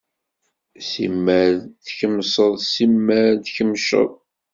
Simmal tkemmseḍ, simmal tkemmceḍ.